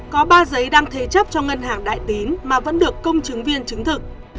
có ba giấy đang thế chấp cho ngân hàng đại tín mà vẫn được công chứng viên chứng thực